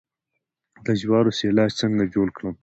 د جوارو سیلاج څنګه جوړ کړم؟